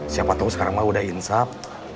siapa tahu sekarang mah udah insaf